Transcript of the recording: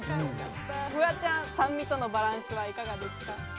フワちゃん、酸味とのバランスはいかがですか？